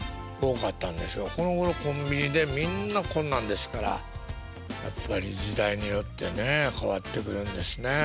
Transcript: このごろコンビニでみんなこんなんですからやっぱり時代によってね変わってくるんですね。